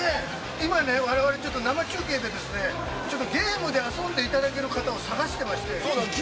◆今、我々、生中継で、ちょっとゲームで遊んでいただける方を探してまして。